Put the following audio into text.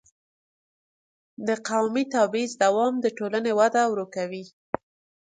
د قومي تبعیض دوام د ټولنې وده ورو کوي.